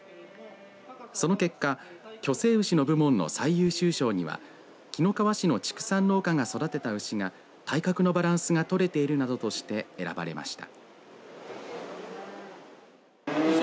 その結果、去勢牛の部門の最優秀賞には紀の川市の畜産農家が育てた牛が体格のバランスが取れているなどとして選ばれました。